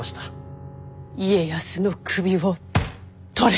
家康の首を取れ！